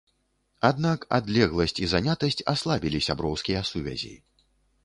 Аднак адлегласць і занятасць аслабілі сяброўскія сувязі.